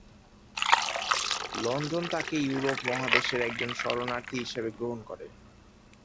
London তাকে Europe মহাদেশের একজন শরণার্থী হিসেবে গ্রহণ করে।